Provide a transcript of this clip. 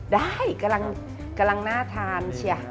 ได้กำลังน่าทาน